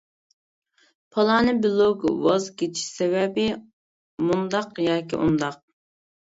پالانى بىلوگ ۋاز كېچىش سەۋەبى: مۇنداق ياكى ئۇنداق.